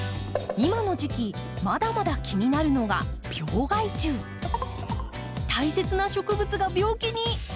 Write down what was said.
今の時期まだまだ気になるのが大切な植物が病気に！